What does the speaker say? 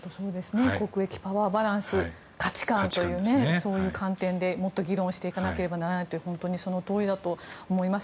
国益、パワーバランス価値観というそういう観点でもっと議論していかなければいけないと本当にその通りだと思います。